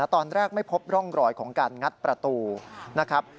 ตอนแรกไม่พบร่องรอยของการงัดประตูนะครับ